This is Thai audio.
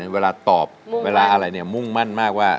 เวลาตอบเวลาอะไรเนี่ยมุ่งมั่นมากว่า